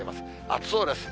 暑そうです。